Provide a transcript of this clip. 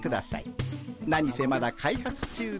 何せまだ開発中ですから。